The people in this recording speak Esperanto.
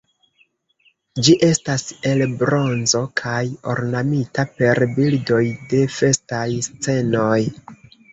Ĝi estas el bronzo kaj ornamita per bildoj de festaj scenoj.